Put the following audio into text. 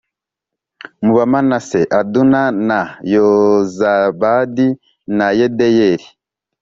mu Bamanase Aduna na Yozabadi na Yediyeli